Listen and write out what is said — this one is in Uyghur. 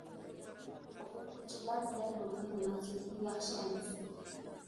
ئوقۇغۇچىلار بىلەن بولغان مۇناسىۋىتى ياخشى ئەمەس.